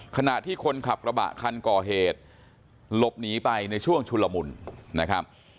ขณะที่คนขับกระบะคันก่อเหตุหลบหนีไปในช่วงชุลมุนนะครับ